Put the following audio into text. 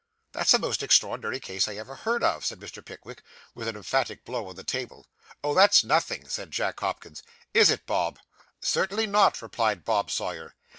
'That's the most extraordinary case I ever heard of,' said Mr. Pickwick, with an emphatic blow on the table. 'Oh, that's nothing,' said Jack Hopkins. 'Is it, Bob?' 'Certainly not,' replied Bob Sawyer.